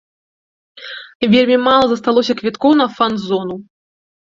Вельмі мала засталося квіткоў на фан-зону.